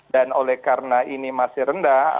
dan oleh karena ini masih rendah